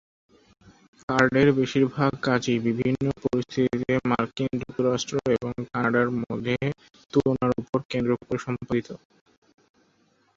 কার্ডের বেশিরভাগ কাজই বিভিন্ন পরিস্থিতিতে মার্কিন যুক্তরাষ্ট্র এবং কানাডার মধ্যে তুলনার উপর কেন্দ্র করে সম্পাদিত।